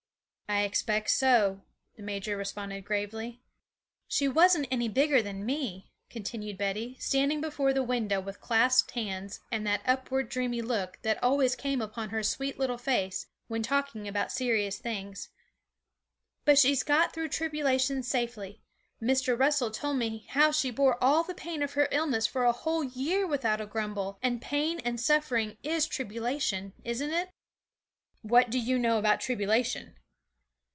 'I expect so,' the major responded gravely. 'She wasn't any bigger than me,' continued Betty, standing before the window with clasped hands, and that upward dreamy look that always came upon her sweet little face when talking about serious things, 'but she's got through tribulation safely. Mr. Russell told me how she bore all the pain of her illness for a whole year without a grumble; and pain and suffering is tribulation, isn't it?' 'What do you know about tribulation?'